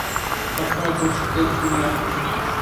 সবসময় তোর সাথে ছুরি রাখিস!